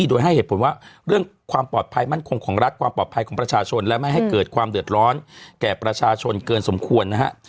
โดยให้เหตุผลว่าเรื่องความปลอดภัยมั่นคงของรัฐความปลอดภัยของประชาชนและไม่ให้เกิดความเดือดร้อนแก่ประชาชนเกินสมควรนะฮะ